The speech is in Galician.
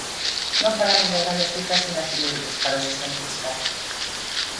Non falamos de grandes cifras inasumibles para o sistema fiscal.